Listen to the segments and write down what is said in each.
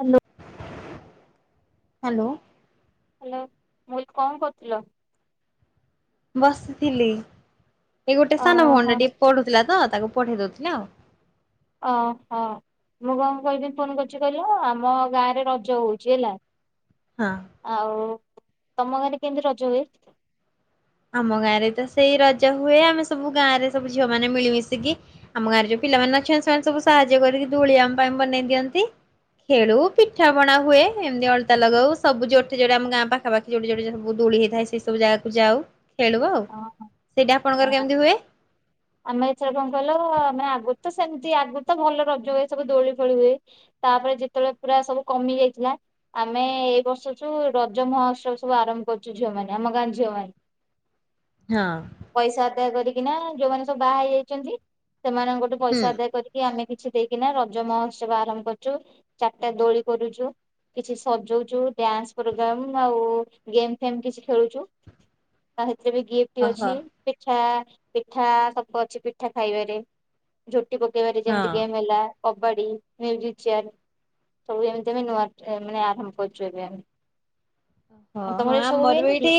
Hello. Hello. Hello ମୁଁ କହିଲି କଣ କରୁଥିଲ? ବସିଥିଲି ଏ ଗୋଟେ ସାନ ଓହୋ। ଭଉଣୀଟା ଟିକେ ପଢୁଥିଲା ତ ତାକୁ ପଠେଇ ଦଉଥିଲେ ଆଉ। ଅ ହ। ମୁଁ କଣ କହିଲି ଫୋନ କରୁଚି କହିଲ ଆମ ଗାଁ ରେ ରଜ ହଉଚି ହେଲା। ହଁ। ଆଉ ତମ ଗାଁରେ କେମିତି ରଜ ହୁଏ? ଆମ ଗାଁ ରେ ତ ସେଇ ରଜ ହୁଏ ଆମେ ସବୁ ଗାଁରେ ସବୁ ଝିଅ ମାନେ ମିଳିମିଶିକି ଆମ ଗାଁରେ ଯୋଉ ପିଲାମାନେ ଅଛନ୍ତି ସେମାନେ ସବୁ ସାହାଯ୍ୟ କରିକି ଦୋଳି ଆମ ପାଇଁ ବନେଇ ଦିଅନ୍ତି। ଖେଳୁ ପିଠା ପଣା ହୁଏ ଏମିତି ଅଳତା ଲଗାଉ ସବୁ ଯୋଉଠି ଯୋରା ଆମ ଗାଁ ପାଖା ପାଖି ଯୋଉଠି ଯୋଉଠି ଯୋଉଠି ସବୁ ଦୋଳି ହେଇଥାଏ ସେ ସବୁ ଜାଗାକୁ ଯାଉ ଖେଳୁ ଆଉ ଓହୋ। ସେଇଟା ଆପଣଙ୍କର ଗାଁରେ କେମିତି ହୁଏ? ଆମେ ଏଥର କଣ କହିଲ ଆମେ ଆଗୁରୁତ ସେମିତି ଆଗୁରୁତ ଭଲ ରଜ ହୁଏ ସବୁ ଦୋଳି ଫୋଳି ହୁଏ। ତାପରେ ଯେତେବେଳେ ପୁରା ସବୁ କମି ଯାଇଥିଲା ଆମେ ଏଇ ବର୍ଷ ଠୁ ରଜ ମହୋତ୍ସବ ସବୁ ଆରମ୍ଭ କରୁଚୁ ଝିଅ ମାନେ ଆମ ଗାଁ ଝିଅ ମାନେ। ହଁ। ପଇସା ଆଦାୟ କରିକିନା ଯୋଉମାନେ ସବୁ ବାହା ହେଇ ଯାଇଚନ୍ତି ସେମାନଙ୍କଠୁ ହୁଁ ପଇସା ଆଦାୟ କରି କି ଆମେ କିଛି ଦେଇକିନା ରଜ ମହୋତ୍ସବ ଆରମ୍ଭ କରୁଚୁ ଚାରିଟା ଦୋଳି କରୁଚୁ। କିଛି ସଜଉଚୁ ଡ୍ୟାନ୍ସ ପ୍ରୋଗ୍ରାମ ଆଉ ଗେମ ଫେମ୍ କିଛି ଖେଳୁଚୁ। ଆ ହେଥିରେ ବି ଗିଫ୍ଟ ଓହୋ ଅଛି ପିଠା ପିଠା ସବୁ ଅଛି ପିଠା ଖାଇବାରେ। ଝୋଟି ପକେଇବାରେ ହଁ। ଯେମିତି ଗେମ୍ ହେଲା କବାଡି ହେମିଜି ଚେୟାର। ସବୁ ଏମିତିବି ନୂଆ ମାନେ ଆରମ୍ଭ କରିଚୁ ଏବେ ଆମେ। ହ ହ ତମର ହଁ ଏ ସବୁ ଆମର ବି ହୁଏନି କି? ଏଇଠି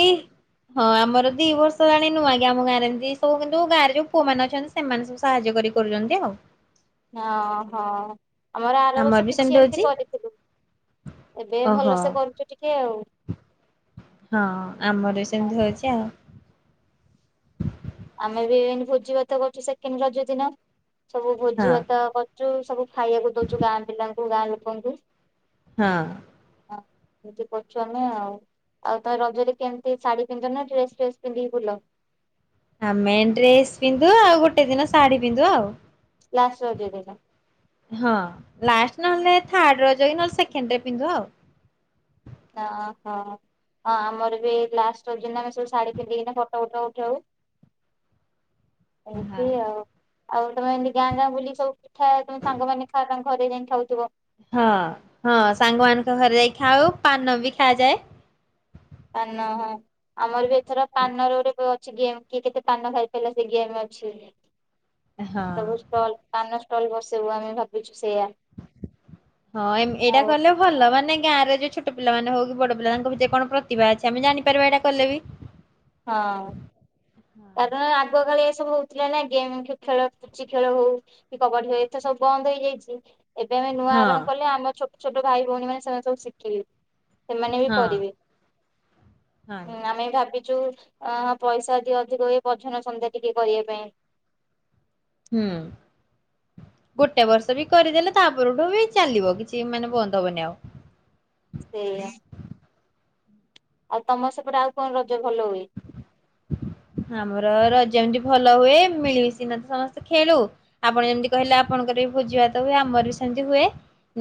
ହଁ ଆମର ଦି ବର୍ଷ ଜାଣି ନୂଆଁ କି ଆମ ଗାଁରେ ଏମିତି ସବୁ କିନ୍ତୁ ଗାଁରେ ଯୋଉ ପୁଅ ମାନେ ଅଛନ୍ତି ସେମାନେ ସବୁ ସାହାଯ୍ୟ କରି କରୁଚନ୍ତି ଆଉ। ହଁ ହଁ। ଆମର ଆର ବର୍ଷ ବି କିଛି ସେମିତି ଏମିତି ହଉଛି କରିଥିଲୁ ଏବେ ଓହୋ ଭଲ ସେ କରୁଚୁ ଟିକିଏ ଆଉ। ହଁ ଆମର ବି ସେମିତି ହଉଛି ଆଉ। ଆମେ ବି ଏ ଭୋଜି ଭାତ କରୁଛୁ ସେକେଣ୍ଡ ରଜ ଦିନ ସବୁ ଭୋଜି ହଁ ଭାତ କର ସବୁ ଖାଇବାକୁ ଦଉଛୁ ଗାଁ ପିଲାଙ୍କୁ ଗାଁ ଲୋକଙ୍କୁ। ହଁ। ହଁ। ଏମିତି କରଛୁ ନା ଆଉ ଆଉ ତମ ରଜରେ କେମତି ଶାଢୀ ପିନ୍ଧ ନା ଡ୍ରେସ୍ ଫ୍ରେସ୍ ପିନ୍ଧିକି ବୁଲ। ଆମେ ଡ୍ରେସ ପିନ୍ଧୁ ଆଉ ଗୋଟେ ଦିନ ଶାଢୀ ପିନ୍ଧୁ ଆଉ। ଲଷ୍ଟ ରଜ ଦିନ। ହଁ ଲାଷ୍ଟ ନହେଲେ ଥାର୍ଡ ରଜ ନହଲେ ସେକେଣ୍ଡରେ ପିନ୍ଧୁ ଆଉ। ଓହୋ। ହଁ ଆମର ବି ଲାଷ୍ଟିନ ଆେ ସବୁ ଶାଢୀ ପିନ୍ଧିକିନା ଫଟୋ ଫଟ ଉଠଉ। ହଁ ଏମିତି ଆଉ। ଆଉ ତମ ଏମିତି ଗାଁ ଗାଁ ବୁଲି ସବୁିଠା ତମେ ସାଙ୍ଗମାନେ ଖାଅ ତାଙ୍କ ଘରେ ଯାଇଁ ଖାଉଥିବ। ହଁ ହଁ ସାଙ୍ଗମାନାନଙ୍କ ଘରେ ଯାଇକ ଖାଉ ପାନ ବି ଖାଯାଏ। ପାନ ହଁ ଆମର ବି ଏଥର ପାନର ଗୋଟେ ଅଛି ଗେମ୍ କିଏ କେତେ ପାନ ଖାଇ ପାରଲା ସେ କି ଆମେ ଅଛି ହଁ ସବୁ ଷ୍ଟଲ କାନ ଷ୍ଟଲ ବସିବୁ ଆମେ ଭାବୁଛୁ ସେଇୟା। ହଁ ଏଇଟା କଲେ ଭଲ ମାନେ ଗାଁରେ ଯୋଉ ଛୋଟ ପିଲା ମେ ହଉ କି ବଡ ପିଲା ତାଙ୍କ ଭିତରେ କଣ ପ୍ରତିଭା ଅଛି ଆମେ ଜାଣିପାରିବା ଏଇଟା କଲେ ବି। ହଁ। କାରଣ ଆଗ କାଳେ ଏ ସବୁ ହଉଥିଲା ନା ଗେମ୍ ଖେଳ କୁଚି ଖେଳ ହଉ। କି କବାଡି ଏତେ ସବୁ ବନ୍ଦ ହେଇଯାଇଛି। ଏବେ ଆମେ ନୂଆ ହଁ ଆରମ୍ଭ କଲେ ଆମ ଛୋଟ ଛୋଟ ଭାଇ ଭଉଣୀ ମାନ ସେମାନେ ସବୁ ଶିଖିଲେ। ସେମାନେ ବି ହଁ କରିବେ ହଁ ଆମେ ଭାବିଛୁ ଅଁ ପଇସା ଯି ଅଧିକ ହୁଏ ପଛନ ସନ୍ଧ୍ୟା ଟିକେ କରିବା ପାଇଁ। ହୁଁ। ଗୋଟେ ବର୍ଷ ବି କରିଦେଲେ ତା ପରରଠୁ ବି ଚାଲିବ କିଛି ମାନେ ବନ୍ଦ ହବନି ଆଉ। ସେଇ। ଆଉ ତମ ସେପରେ ଆଉ କଣ ରଜ ଭଲ ହୁଏ। ଆମର ରଜମିତି ଭଲ ହୁଏ ମିଳିମିଶିନା ତ ସମସ୍ତେ ଖେଳୁ। ଆପଣ ଯେମିତି କହିଲେ ଆପଣଙ୍କର ବି ଭୋଜି ଭାତ ହୁଏ ଆମର ବି ସେମତି ହୁଏ।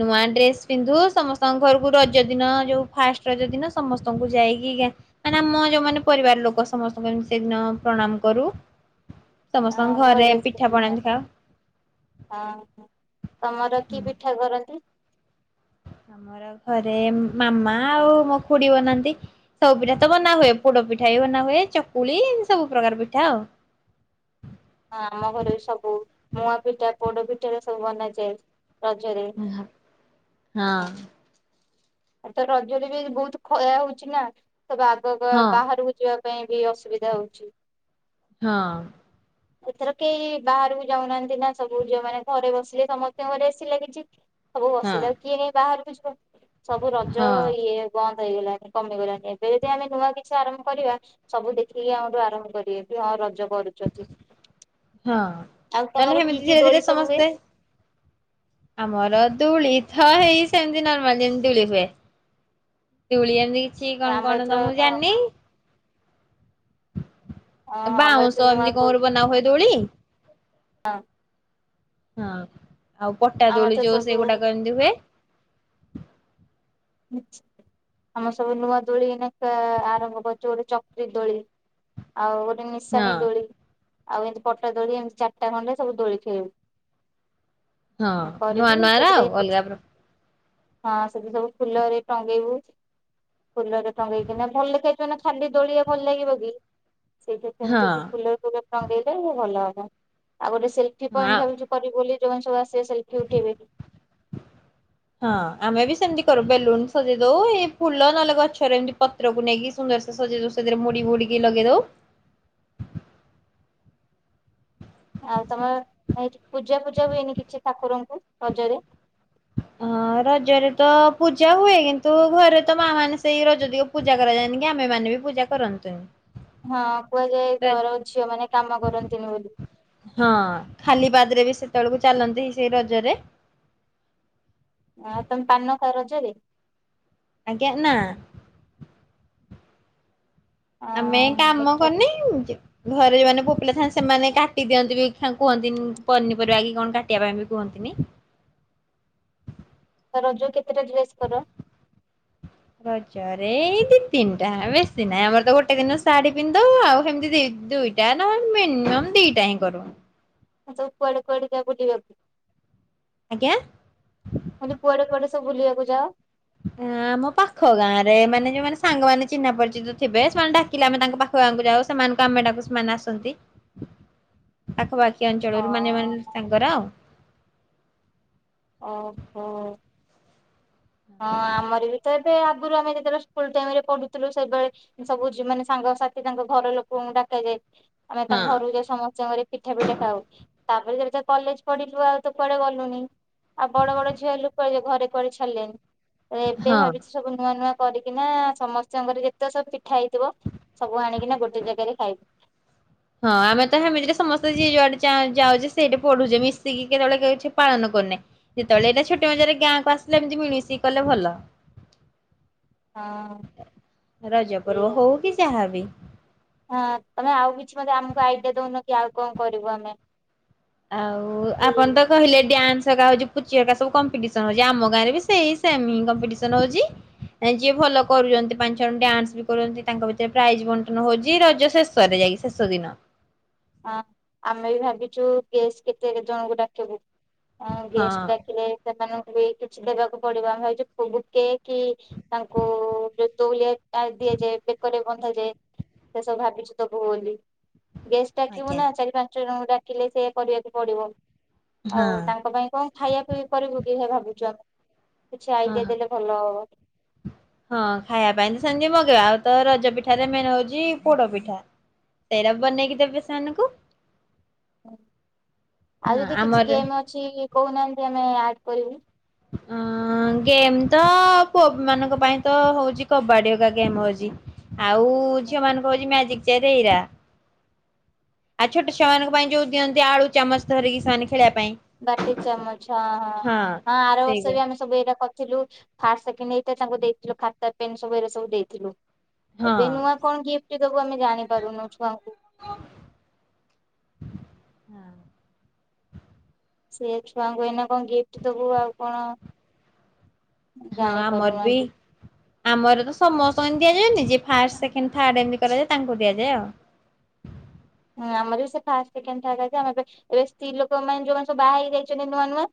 ନୂଆ ଡ୍ରେସ୍ ପିନ୍ଧୁ ସମସ୍ତଙ୍କ ଘରକୁ ରଜ ଦିନ ଯେଉ ଫାଷ୍ଟ ରଜ ଦିନ ସମସ୍ତଙ୍କୁ ଯାଇକି ମାନେ ଆମ ଯୋଉ ମମାନେ ପରିବାର ଲୋକ ସମସ୍ତଙ୍କୁ ଏମତି ସେଦିନ ପ୍ରଣାମ କରୁ। ହ ସମସ୍ତଙ୍କ ଘରେ ପିଠାପଣା ଏମିତି ଖାଉ। ତମର କି [unintelligible] ଆମର ଘରେ ମାମା ଆଉ ମୋ ଖୁଡି ବନାନ୍ତି। ସବୁ ପିଠା ତ ବନା ହୁଏ ପୋଡ ପିଠା ବି ବନା ହୁଏ ଚକୁଳି ସବୁ ପ୍ରକାର ପିଠା ଆଉ। ହଁ ଆମ ଘରେ ସବୁ ମୁୂଆ ପିଠା ପୋଡ ପିଠା ସବୁ ବନାଯାଏ ରଜରେ। ହଁ ହଁ। ଆଉ ତ ରଜରେ ବି ବହୁତ ଖୟା ହଉଛି ନା ତବ ଆଗକୁ ହଁ ବାହାରକୁ ଯିବାକୁ ପାଇଁ ବି ଅସୁବିଧା ହଉଛି। ହଁ। [unintelligible] ଏଥର କେହି ବାହାରକୁ ଯାଉନାହାନ୍ତି ନା ସବୁ ଝିଅ ମାନେ ଘରେ ବସିଲେ ସମସ୍ତଙ୍କ ଘରେ ଆସି ଲାଗିଛି। ସବୁ ବସିଲା ଆ କିଏ ନାାଇ ବାହାରକୁ ଯିବ। ସବୁ ରଜ ହଁ ଇଏ ବନ୍ଦ ହେଇଗଲାଣିି କମିଗଲାଣିି। ଏବେ ଯଦି ଆମେ ନୂଆ କିଛି ଆରମ୍ଭ କରିବା ସବୁ ଦେଖିକି ଆମଠୁ ଆରମ୍ଭ କରିବେ। ହଁ ରଜ କରୁଛି। ହଁ ଆଉ ତାହେଲେ ତମର କି ସେମିତି କି ଧୀରେ ଦୋଳି ଧୀରେ ସବୁ ହୁଏ? ସମସ୍ତେ ଆମର ଦୂଳି ଥ ହେଇ ସେମିତି ନର୍ମାଲ ଯେମିତି ଦୂଳି ହୁଏ। ଦୋଳି [inaudible] ଏମିତି କିଛି କଣ ଆମର କଣ ତ ମୁଁ ଏଥର ଜାଣିନି ଅ ଆମର ବାଉଁଶ ଏଥର ଏମିତି ନୂଆ କଣ ରୁ ବନା ହୁଏ ଦୋଳି? ହଁ ହଁ। ଆଉ ପଟା ଆମର ଦୋଳି ତ ଯୋଉ ସବୁ ସେଗୁଡାକ ଏମିତି ହୁଏ? ଆମ ସବୁ ନୂଆ ଦୋଳି ଏଇନା ଆରମ୍ଭ କରୁଛୁ ଗୋଟେ ଚକ୍ରି ଦୋଳି। ଆଉ ଗୋଟେ [inaudible] ସଣି ହଁ। ଦୋଳି ଆଉ ଏମତି ପଟା ଦୋଳି ଏମିତି ଚାରିଟା ଖଣ୍ଡରେ ସବୁ ଦୋଳି ହଁ ଖେଳିବୁ। ନୂଆ କରିବି। ନୂଆ ର ଆଉ ସେଥିରେ ହଁ ଅଲଗା ପ୍ର ସେଠି ସବୁ ଫୁଲରେ ଟଙ୍ଗେଇବୁ। ଫୁଲରେ ଟଙ୍ଗେଇକିନା ଭଲ [inaudible] ଲେ ଖାଇଥ ନା ଖାଲି ଦୋଳିଆ ଭଲ ଲାଗିବ କି? ସେଇଠି ହଁ ସେମିତି ଫୁଲ ଫୁଲ [inaudible] ଟଙ୍ଗେଇ ଲଗେଇଲେ ଭଲ ହବ। ଆଉ ଗୋଟେ ସେଲ୍ଫ୍ ହଁ। ପଏଣ୍ଟ ଭାବିଛୁ କରିବୁ ବୋଲି ଯୋଉମାନେ ସବୁ ଆସିବେ ସେଲ୍ଫି ଉଠେଇବେ। ହଁ ଆମେ ବି ସେମିତି କରୁ। ବେଲୁନ୍ ସଜେଇ ଦଉ ଏଇ ଫୁଲ ନେହେଲେ ଗଛରେ ଏମତି ପ ତ୍ର କୁ ନେଇକି ସୁନ୍ଦର ସେ ସଜେଇ ଦଉ। [unintelligible] ମୁଡି ବୁଡିିକି ଲଗେଇଦଉ। ଆଉ ତମର ଏଠି ପୂଜା ପୂଜା ହୁଏନି କିଛି ଠାକୁରଙ୍କୁ ରଜରେ? [inaudible] ହଁ ରଜରେ ତ ପୂଜା ହୁଏ କିନ୍ତୁ ଘରେ ତ ମା ମାନେ ସେଇ ରଜ [inaudible] ଦଗ ପୂଜା କରାଯାନି କି ଆମେ ମାନ ବି ପୂଜା କରନ୍ତି। ହଁ କୁହାଯାଏ ଘର ଝିଅ ମାନେ କାମ କରନ୍ତିନି ବୋଲି। ହଁ ଖାଲି ପାଦ ରେ ବି ସେତେବେଳକୁ ଚାଲନ୍ତି ସେଇ ରଜରେ? ଆଉ ତମେ ପାନ ଖାଅ ରଜରେ? ଆଜ୍ଞା ନା। ଅ ଆମେ କାମ ମିଠା କରୁନି ଯ ଘରେ ଯୋଉମାନେ ପୁଅପିଲା ଥାଆନ୍ତି ସେମାନେ କାଟି ଦିଅନ୍ତି ବି କୁହନ୍ତିନି ପନିପରିବା କି କଣ କାଟିବା ପାଇଁ ବି କୁହନ୍ତିନି। ତ ରଜ କେତେଟା ଡ୍ରେସ୍ କର? ରଜ ରେଇ ଦି ତିନିଟା ବେଶୀ ନାହିଁ ଆମର ତ ଗୋଟେ ଦିନ ଶାଢୀ ପିନ୍ଧ ଆଉ ଏମିତି ଦୁଇ ନ ମିନିମମ ଦିଇଟା ହଁ କରୁ। ତମେ ସବୁ କୁଆଡେ କୁଆଡେ ଯାଅ ବୁଲିବାକୁ? ଆଜ୍ଞା? ମାନେ କୁଆଡେ କୁଆଡେ ସବୁ ବୁଲିବାକୁ ଯାଅ? ଆ ଆମ ପାଖ ଗାଁ ରେ ମାନେ ଯୋଉମାନେ ସାଙ୍ଗମାନେ ଚିହ୍ନା ପରିଚିତ ଥିବେ ସେମାନେ ଡାକିଲେ ଆମେ ତାଙ୍କ ପାଖ [inaudible] ଖୁଆଙ୍କୁ ଯାଉ ସେମାନଙ୍କୁ ଆମେ ଡାକୁ ସେମାନେ ଆସନ୍ତି। [inaudible] ପାଖପାଖି ଅ ଅଞ୍ଚଳରୁ ମାନେ ମାନେ ତାଙ୍କର ଓହୋ ହଁ ଆମର ବି ତ ଏବେ ଆଗରୁ ଆମେ ଯେତେବେଳେ ସ୍କୁଲ ଟାଇମ ରେ ପଢୁଥିଲୁ ସେବେ ସବୁ ମାନେ ସାଙ୍ଗସାଥି ତାଙ୍କ ଘର ଲୋକଙ୍କୁ ଡାକା ଯାଏ, ଆମେ ହଁ ତାଙ୍କ ଘରକୁ ଯାଇ ସମସ୍ତିଙ୍କ ପିଠା ପିଠା ଖାଉ। ତାପରେ ଏବେ ତ କଲେଜ ପଢିଲୁ ଆଉ ତ କୁଆଡେ ଗଲୁନି ଆଉ ବଡ ବଡ ଝିଅ ହେଲୁ ଲୋକ [inaudible] ଘରେ କୁଆଡେ ଛାଡିଲେ, ଏବେ ହଁ। ଭାବିଛି ସବୁ ନୂଆ ନୂଆ କରିକିନା ସମସ୍ତଙ୍କର ଯେତେ ସବୁ ପିଠା ହେଇଥିବ ସବୁ ଆଣିକିନା ଗୋଟେ ଜାଗାରେ ଖାଇବି ହଁ ଆମେ ତ ସେମିତିରେ ସମସ୍ତେ ଯିଏ ଯୁଆଡେ ଯାଉଛେ ସେଇଠି ପଢୁଛେ ମିଶିକି କେତେବେଳେ କିଛି ପାଳନ କରୁନେ। ଯେତେବେଳେ ଏଇଟା ଛୁଟି ମଜାରେ ଗାଁକୁ ଆସିଲେ ଏମିତି ମିଳିମଶି କଲେ ଭଲ [inaudible] ରଜ ପର୍ବ ସେଇଆ ହଉ କି ଯାହା ବି ହଁ ତମେ ଆଉ କିଛି ଆମକୁ ଆଇଡିଆ ଦଉନ କି ଆଉ କଣ କରିବୁ ଆମେ ଆଉ କି ଆପଣ ତ କହିଲେ ଡ୍ୟାନ୍ସ ହେରିକା ହଉଛି ପୁଚି ହେରିକା କମ୍ପିଟିସନ ହଉଛି ଆମ ଗାଁରେ ବି ସେଇ ସେମ୍ ହି କମ୍ପିଟିସନ ହଉଛି। ଯିଏ ଭଲ କରୁଛନ୍ତି ପାଞ୍ଚ ଜଣ ଡ୍ୟାନ୍ସ ବି କରୁଛନ୍ତି ତାଙ୍କ ଭିତରେ ପ୍ରାଇଜ ବଣ୍ଟନ ହଉଛି ରଜ ଶେଷରେ ଯାଇକି ଶେଷ୍ ଶେଷଦିନ ଅଁ ଆମେ ବି ଭାବିଛୁ ଗେଷ୍ଟ କେତେ ଜଣଙ୍କୁ ଡାକବୁ ହଁ ଗେଷ୍ଟ ଡାକିଲେ ସେମାନଙ୍କୁ ବି କିଛି ଦେବାକୁ ପଡିବ ଆମେ ଭାବିଛୁ ବୁକେ କି ତାଙ୍କୁ ଯଉ ତଉଲିଆ ଦିଆଯାଏ ବେକରେ ବନ୍ଧାଯାଏ ସେ ସବୁ ଭାବିଛୁ ଦବୁ ବୋଲି ଗେଷ୍ ଡାକିବୁ ହଁ। ନା ଚାରି ପାଞ୍ଚ ଜଣଙ୍କୁ ଡାକିଲେ ସେୟା କରିବାକୁ ପଡିବ ଆଉ ତାଙ୍କ ପାଇଁ କଣ ଖାଇବା ପାଇଁ କରିବୁ କି ସେୟା ଭାବୁଛୁ ଆମେ କିଛି ହଁ ଆଇଡିଆ ଦେଲେ ଭଲ ହବ ହଁ ଖାଇବା ପାଇଁ ତ ସେମିତି ମଗେଇବା ଆଉ ତ ରଜ ପିଠାରେ ମେନ୍ ହଉଛି ପୋଡ ପିଠା ତେରା ବନେଇକି ଦେବେ ସେମାନଙ୍କୁ ଆଉ ହଁ ଯଦି କିଛି ଆମର ଗେମ୍ ଅଛି କହୁନାହାନ୍ତି ଆମେ ଆଡ କରିବୁ [inaudible] ଅଁ ଗେମ୍ ତ ପୁଅମାନଙ୍କ ପାଇଁ ତ ହଉଛି କବାଡି ହରିକା ଗେମ୍ ହଉଛି ଆଉ ଝିଅମାନଙ୍କୁ ହଉଛି ମ୍ୟାଜିକ ଚ଼େୟାର ଏଇରା ଆଉ ଛୋଟ ଛୁଆଙ୍କ ପାଇଁ ଯୋଉ ଦିଅନ୍ତି ଆଳୁ ଚାମଚ ଧରିକି ସେମାନେ ଖେଳିବା ପାଇଁ ବାଟି ଚାମଚ ହଁ ହଁ ହଁ ଆର ବର୍ଷ ସେଇଗୁଡା ବି ଆମେ ସବୁ ଏରା କରିଥିଲୁ ଫାଷ୍ଟ ସେକଣ୍ଡ ହେଇଥି ତାଙ୍କୁ ଦେଇଥିଲୁ ଖାତା ପେନ୍ ସବୁ ଏରା ସବୁ ଦେଇଥିଲୁ। ହଁ ଏବେ ନୂଆ କଣ ଗିଫ୍ଟ ଦବୁ ଆମେ ଜାଣିପାରୁନୁ ଛୁଆଙ୍କୁ ସେ ଛୁଆଙ୍କୁ ଏଇନା କଣ ଗିଫ୍ଟ ଦବୁ ଆଉ କଣ ହଁ ଜାଣିପାରୁନୁ ଆମର ବି ଆମେ। ଆମର ତ ସମସ୍ତଙ୍କୁ ଏନ୍ତି ଦିଆଯାଏନି ଯିଏ ଫାଷ୍ଟ ସେକେଣ୍ଡ ଥାଡ଼େ ଏମିତି କରାଯାଏ ତାଙ୍କୁ ଦିଆଯାଏ ଆଉ ହଁ ଆମର ବି ସେଇ ଫାଷ୍ଟ ସେକଣ୍ଡେ ଥାଡ଼େ ହେଇଚି ଆମେ ଏବେ ଏବେସ୍ତ୍ରୀ ଲୋକମାନେ ଯୋଉଁ ମାନେସବୁ ବାହା ହେଇଯାଇଛନ୍ତି ନୂଆ ନୂଆ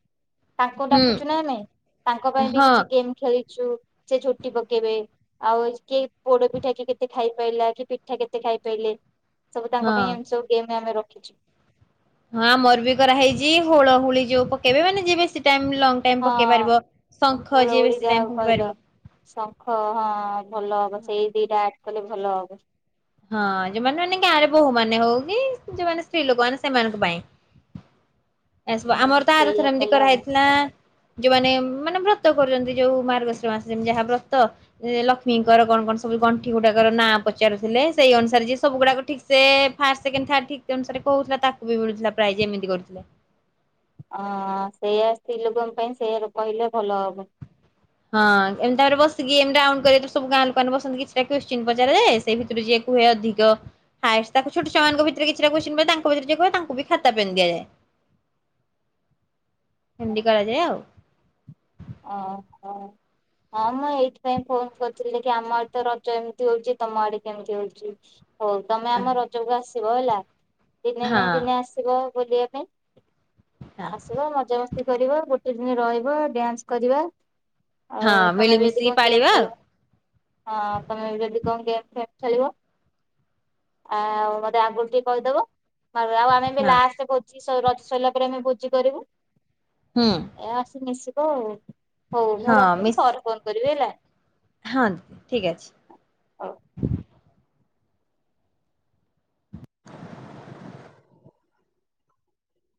ତାଙ୍କୁ ହୁଁ ଡାକିଛୁ ନା ଆମେ ତାଙ୍କ ପାଇଁ ବି ହଁ କିଛି ଗେମ୍ ଖେଳିଛୁ ସେ ଝୋଟି ପକେଇବେ ଆଉ କିଏ ପୋଡ ପିଠା କିଏ କେତେ ଖାଇ ପାରଲା କିଏ ପିଠା କେତେ ଖାଇପାଇଲେ ସବୁ ତାଙ୍କ ପାଇଁ ହଁ ସବୁ ଗେମ୍ ଆମେ ରଖିଛୁ। ହଁ ଆମର ବି କରାହେଇଛି ହୁଳହୁଳି ଯୋଉ ପକେଇବେ ମାନେ ଯିଏ ବେଶୀ ଟାଇମ୍ ଲଙ୍ଗ ଟାଇମ୍ ହଁ ପକେଇପାରିବ ଶଙ୍ଖ ଯିଏ ହୁଳହୁଳି ବେଶୀ ଯାହା ଟାଇମ୍ ଫୁଙ୍କି କହିଲ। ପାରିବ ଶଙ୍ଖ ହଁ ଭଲ ହବ ସେଇଦିଟା ଆର୍ଡକଲେ ଭଲ ହବ। ହଁ ଯୋଉଁମାନେ ମାନେ ଗାଁରେ ବୋହୂ ମାନେ ହଉ କିଂ ଯୋଉଁମାନେ ସ୍ତ୍ରୀଲୋକମାନେ ସେମାନଙ୍କ ପାଇଁ ହୁଁ ଏସବୁ ଆମର ତ ସେଇଆ ଆରଥର ଏମିତି କଲେ କରା ହବ। ହେଇଥିଲା। ଯୋଉମାନେ ମାନେ ବ୍ରତ କରୁଛନ୍ତି ଯୋଉ ମାର୍ଗଶୀର ମାସ ଯେମିତିକା ଯାହା ବ୍ରତ ଏଁ ଲକ୍ଷ୍ମୀଙ୍କର କଣ କଣ ସବୁ ଗଣ୍ଠିଗୁଡାକର ନାଁ ପଚାରୁଥିଲେ? ସେଇ ଅନୁସାରେ ସବୁଗୁଡାକ ଠିକସେ ଫାଷ୍ଟ ସେକେଣ୍ଡ ଥାଡ ଠିକ ଅନୁସାରେ କହୁଥିଲା ତାକୁ ବି ମିଳୁଥିଲା ପ୍ରାଇଜି ଏମିତି କରୁଥିଲେ। ଅଁ ହଁ ସେଇଆ ସ୍ତ୍ରୀଲୋକଙ୍କ ପାଇଁ ସେଇଆ କହିଲେ ଭଲ ହବ। ହଁ ଏମେତାକରି ବସିକି ଗେମ୍ ଟା ଅନକରି ସବୁ ଗାଁ ଲୋକମାନେ ବସନ୍ତି କିଛିଟା କ୍ଯୁସଚୀନ ପଚରାଯାଏଁ ସେଇ ଭିତରୁ ଯିଏ ହୁଏ ଅଧିକ। ହାଏଷ୍ଟ ତାଙ୍କ ଛୋଟ ଛୁଆଁମାନଙ୍କୁ ଭିତରେ କିଛିଟା କ୍ଯୁସଚୀନ ପଚ ତାଙ୍କ ଭିତରେ ଯିଏ କଇବ ତାଙ୍କୁ ବି ଖାତା ପେନ୍ ଦିଆଯାଏ। ଚୁଁ ହୁଣ୍ଡି କରାଯାଏ ଆଉ। ଅଁ ହଁ। ହଁ ମୁଁ ଏଇଥିପାଇଁ ଫୋନ କରିଥିଲି କି ଦେଖି ଆମଆଡେ ତ ରଜ ଏମିତି ହଉଛି ତମ ଆଡେ କେମିତି ହଉଛି? ହୋଊ ତମେ ଆମ ରଜକୁ ଆସିବ ହେଲା ଦିନେ ହଁ ନା ଦିନେ ଆସିବ ବୁଲିବା ପାଇଁ। ହଁ ଆସିବ ମଜାମସ୍ତି କରିବ ଗୋଟେ ଦିନ ରହିବ ଡ୍ୟାନ୍ସ କରିବା। ହଁ ଆଉ ତମେ ବି ଆଜି ମିଳିମିଶିକି କଣ ଗେମ୍ ପାଳିବା ଆଉ ଖେଳିବ। ହଁ ତମେ ଯଦି କଣ ଗେମ୍ ଫେମ୍ ଖେଳିବ। ଆଉଁ ମତେ ଆଗରୁ ଟିକେ କହିଦବ ତାପରେ ଆଉ ମେ ବି ହଁ। ଲାଷ୍ଟ ଭୋଜି ସଁ ରଜସରିଲା ପରେ ଆମେ ଭୋଜି କରିବୁ। ହୁଁ। ଏଆସି ମିଶିବ ଆଉ ହଉ ମୁଁ ହଁ ରଖୁଛି ମିସ୍ ପରେ ଫୋନ କରିବି ହେଲା। ହଁ ଠିକ୍ ଅଛି। ହଉ।